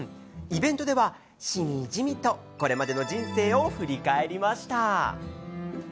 イベントでは、しみじみとこれまでの人生を振り返りました。